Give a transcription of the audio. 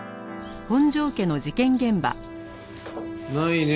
ないね